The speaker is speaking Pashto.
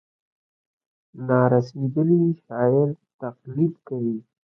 نا رسېدلي شاعر تقلید کوي.